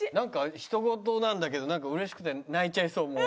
他人事なんだけど嬉しくて泣いちゃいそうもう。